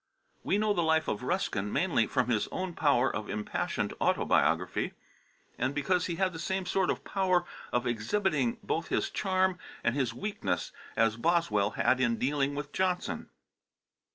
We know the life of Ruskin mainly from his own power of impassioned autobiography, and because he had the same sort of power of exhibiting both his charm and his weakness as Boswell had in dealing with Johnson.